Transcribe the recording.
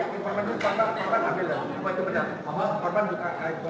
kalau motif itu